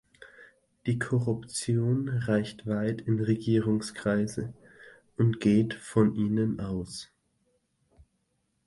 Die Korruption reicht weit in Regierungskreise und geht von ihnen aus.